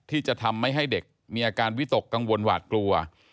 ที่จะทำให้เด็กมีอาการวิตกกังวลหวาดกลัว